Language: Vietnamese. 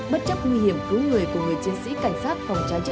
bất chấp nguy hiểm cứu người của người chiến sĩ cảnh sát phòng trạm